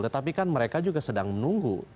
tetapi kan mereka juga sedang menunggu